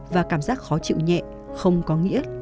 và cảm giác khó chịu nhẹ không có nghĩa là bạn sẽ bị đau lưng